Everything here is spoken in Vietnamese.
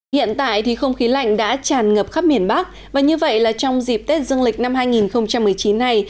hiện tại thì không khí lạnh đã tràn ngập khắp miền bắc và như vậy là trong dịp tết dương lịch năm hai nghìn một mươi chín này